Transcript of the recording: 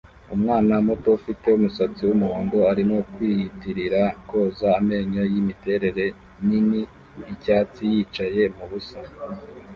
Umwana muto ufite umusatsi wumuhondo arimo kwiyitirira koza amenyo yimiterere nini yicyatsi yicaye mubusa